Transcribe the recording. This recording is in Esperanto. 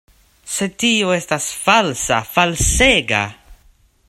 Sed tio estas falsa, falsega.